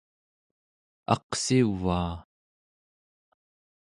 aqsivaa!